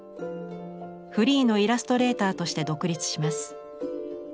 フリーのイラストレーターとして独立します。